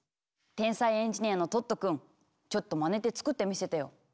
天才エンジニアのトットくんちょっとまねて作ってみせてよ。